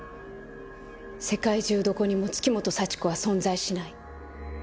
世界中どこにも月本幸子は存在しない。